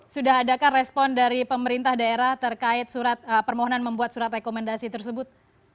sudah adakah respon dari pemerintah daerah terkait surat permohonan membuat surat rekomendasi tersebut